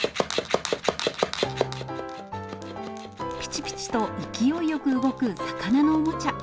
ぴちぴちと勢いよく動く魚のおもちゃ。